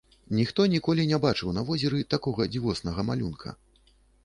Ніхто ніколі не бачыў на возеры такога дзівоснага малюнка.